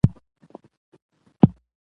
د افغان ملت ویاړ د احمدشاه بابا نوم دی.